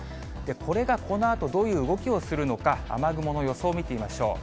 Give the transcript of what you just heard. これがこのあとどういう動きをするのか、雨雲の予想を見てみましょう。